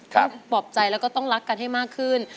ครับต้องปอบใจแล้วก็ต้องรักกันให้มากขึ้น